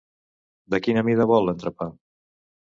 De quina mida vol l'entrepà?